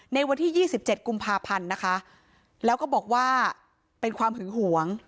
ในวันที่๒๗กุมภาพันธ์นะคะแล้วก็บอกว่าเป็นความหึงหวง